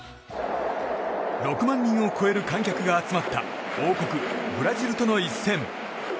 ６万人を超える観客が集まった王国ブラジルとの一戦。